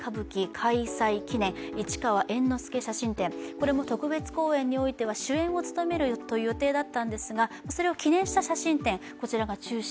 これも特別公演においては主演を務める予定だったんですがそれを記念した写真展が中止。